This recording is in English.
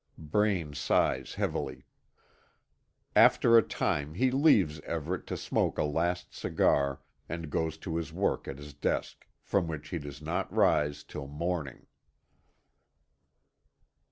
Braine sighs heavily. After a time, he leaves Everet to smoke a last cigar, and goes to his work at his desk, from which he does not rise till morning.